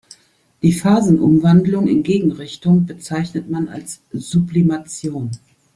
Die Phasenumwandlung in Gegenrichtung bezeichnet man als Sublimation.